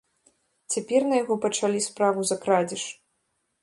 Цяпер на яго пачалі справу за крадзеж.